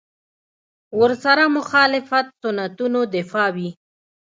ورسره مخالفت سنتونو دفاع وي.